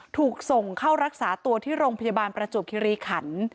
ถูกส่งเข้ารักษาตัวที่โรงพยาบาลประจวบคิริขัน